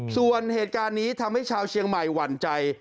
ส่วนเหตุการณ์นี้ทำให้ชาวเชียงใหม่หวั่นใจ